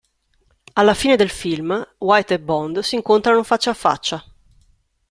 Alla fine del film, White e Bond si incontrano faccia a faccia.